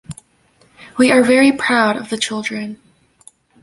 We are very proud of the children.